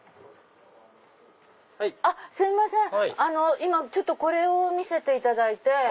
今これを見せていただいて。